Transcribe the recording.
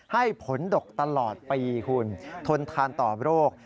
ให้ผลดกตลอดปีคุณทนทานต่อโรค